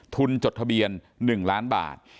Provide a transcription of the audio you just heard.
ทุนจดทะเบียนกฤษภาคม๑ล้านบาท